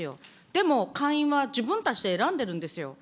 でも、会員は自分たちで選んでるんですよ。